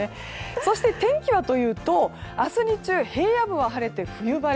そして天気はというと明日日中平野部は晴れて冬晴れ。